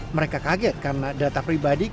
mereka kaget karena data ini tidak berlaku